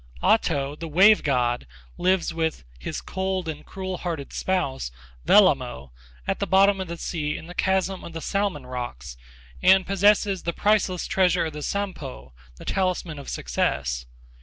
Ahto, the wave god, lives with 'his cold and cruel hearted spouse,' Wellamo, at the bottom of the sea in the chasm of the Salmon Rocks, and possesses the priceless treasure of the Sampo, the talisman of success.